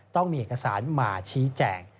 ต้องมีเอกสารมาชี้แจง